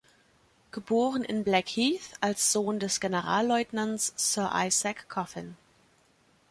Geboren in Blackheath als Sohn des Generalleutnants Sir Isaac Coffin.